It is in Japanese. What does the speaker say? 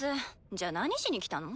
じゃあ何しに来たの？